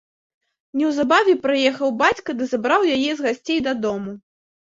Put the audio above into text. Неўзабаве прыехаў бацька ды забраў яе з гасцей дадому.